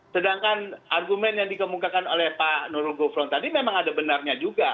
sedangkan argumen yang dikemukakan oleh pak nurul gufron tadi memang ada benarnya juga